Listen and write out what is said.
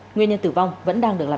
nguyên nhân tử vong vẫn đang được làm rõ